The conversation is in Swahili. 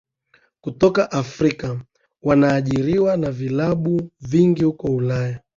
kutoka Afrika wanaajiriwa na vilabu vingi huko Ulaya